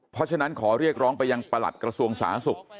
เพราะฉะนั้นขอเรียกร้องไปยังประหลัดกระทรวงสาธารณสุข